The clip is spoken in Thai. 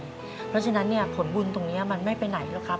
เพราะฉะนั้นผลบุญตรงนี้มันไม่ไปไหนหรอกครับ